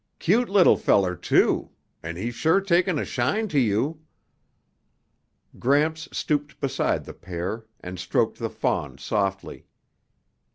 Cute little feller, too, and he's sure taken a shine to you." Gramps stooped beside the pair and stroked the fawn softly.